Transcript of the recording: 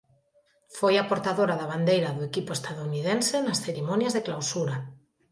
Foi a portadora da bandeira do equipo estadounidense nas cerimonias de clausura.